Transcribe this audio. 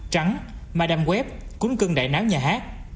trắng madame web cún cưng đại náo nhà hát